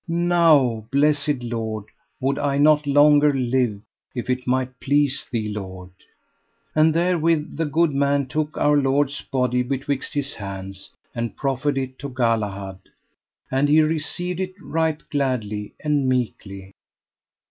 Now, blessed Lord, would I not longer live, if it might please thee, Lord. And therewith the good man took Our Lord's body betwixt his hands, and proffered it to Galahad, and he received it right gladly and meekly.